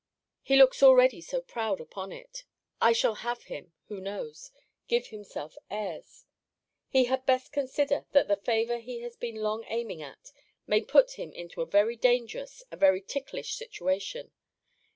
He looks already so proud upon it! I shall have him [Who knows?] give himself airs He had best consider, that the favour he has been long aiming at, may put him into a very dangerous, a very ticklish situation.